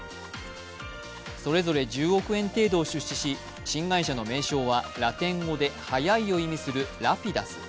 それぞれ１０億円程度を出資し、新会社の名称はラテン語で「速い」を意味するＲａｐｉｄｕｓ。